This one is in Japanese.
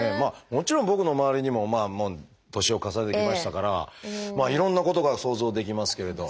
もちろん僕の周りにももう年を重ねてきましたからいろんなことが想像できますけれど。